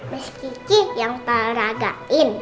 miss kiki yang teragain